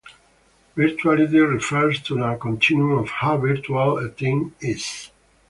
Virtuality refers to a continuum of how "virtual" a team is.